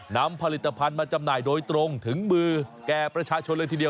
นำผลิตภัณฑ์มาจำหน่ายโดยตรงถึงมือแก่ประชาชนเลยทีเดียว